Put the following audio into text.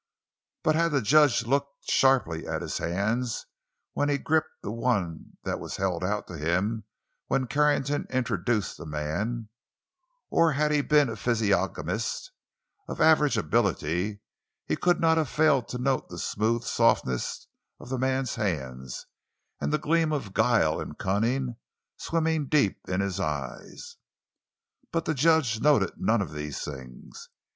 But had the judge looked sharply at his hands when he gripped the one that was held out to him when Carrington introduced the man; or had he been a physiognomist of average ability, he could not have failed to note the smooth softness of the man's hands and the gleam of guile and cunning swimming deep in his eyes. But the judge noted none of those things.